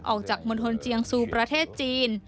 ออกจากมณฑลเจียงซูประเทศจีน